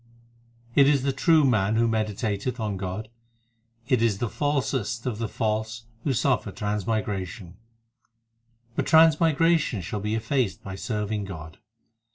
It is the true man who meditateth on God ; It is the falsest of the false who suffer transmigration ; But transmigration shall be effaced by serving God.